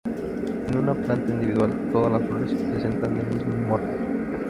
En una planta individual todas las flores presentan el mismo morfo.